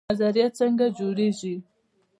نظریه څنګه جوړیږي؟